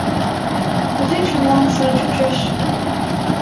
Кузе чонлан сай чучеш